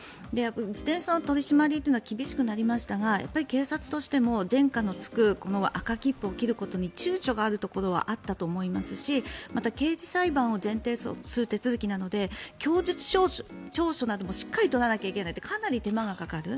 自転車の取り締まりというのは厳しくなりましたが警察としても前科のつく赤切符を切ることに躊躇があるところはあったと思いますし刑事裁判を前提とする手続きなので供述調書などもしっかり取らなきゃいけないとかなり手間がかかる。